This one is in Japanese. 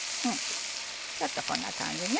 ちょっとこんな感じね。